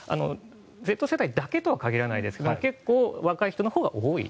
Ｚ世代だけとは限らないですが結構、若い人のほうが多い。